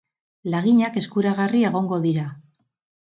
Laginak eskuragarri egongo dira.